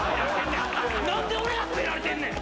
何で俺が責められてんねん！